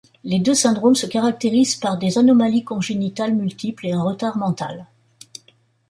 Les deux syndromes se caractérisent par des anomalies congénitales multiples et un retard mental.